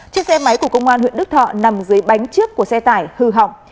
trên xe máy của công an huyện đức thọ nằm dưới bánh trước của xe tải hư hỏng